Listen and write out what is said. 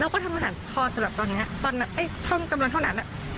แล้วก็ทำอาหารพอสำหรับตอนนั้นตอนนั้นกำลังเท่านั้น